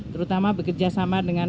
terutama bekerjasama dengan